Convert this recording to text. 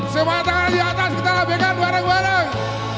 semua tangan di atas kita labikan bareng bareng